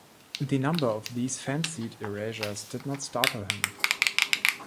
The number of these fancied erasures did not startle him.